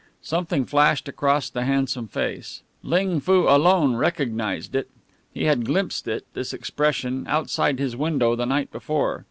Something flashed across the handsome face. Ling Foo alone recognized it. He had glimpsed it, this expression, outside his window the night before.